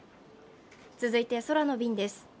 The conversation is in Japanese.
続いて空の便です。